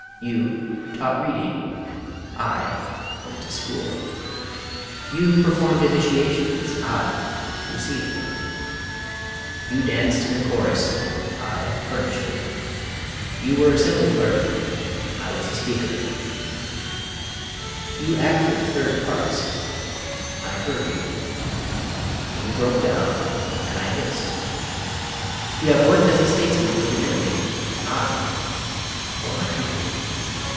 You taught reading, I went to school: you performed initiations, I received them: you danced in the chorus, I furnished it: you were assembly clerk, I was a speaker: you acted third parts, I heard you: you broke down, and I hissed: you have worked as a statesman for the enemy, I for my country.